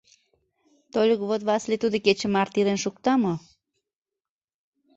Тольык вот Васлий тудо кече марте илен шукта мо?